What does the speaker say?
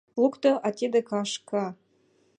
Лукто, а тиде — кашка.